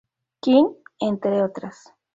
King, entre otras.